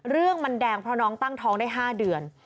เรื่องมันแดงเพราะน้องตั้งท้องได้๕เดือน